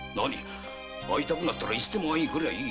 会いたくなったらいつでも来なせえ。